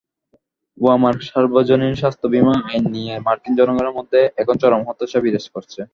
ওবামার সার্বজনীন স্বাস্থ্যবিমা আইন নিয়ে মার্কিন জনগণের মধ্যে এখন চরম হতাশা বিরাজ করছে।